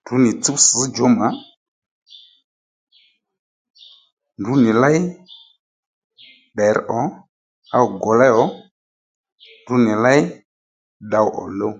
Ndrǔ nì tsúw sš djǒmà ndrǔ ní léy ddèr ò á wò gǒwlé ò ndrǔ nì léy tdów ò luw